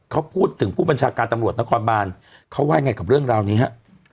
เขาพูดถึงผู้บัญชาการตำรวจนครบานเขาว่าไงกับเรื่องราวนี้ฮะ